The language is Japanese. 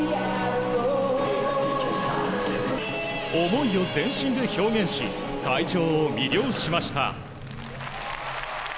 思いを全身で表現し会場を魅了しました。